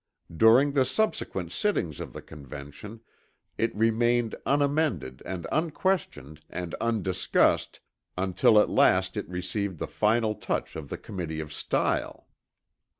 During the subsequent sittings of the Convention it remained unamended and unquestioned and undiscussed until at last it received the final touch of the Committee of Style.